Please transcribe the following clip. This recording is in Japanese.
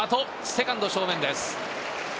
セカンド正面です。